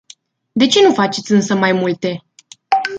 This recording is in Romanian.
De ce nu faceți însă mai multe?